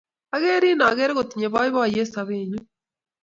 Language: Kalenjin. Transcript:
Akerin akere kotinye poipoyet sobennyu.